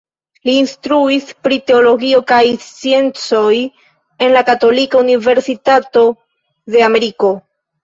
Li instruis pri teologio kaj sciencoj en la Katolika Universitato de Ameriko.